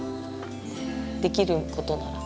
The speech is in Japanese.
できることなら。